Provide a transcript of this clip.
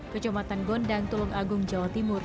kecamatan gondang tulung agung jawa timur